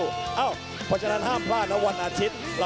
เพราะฉะนั้นห้ามพลาดนะวันอาทิตย์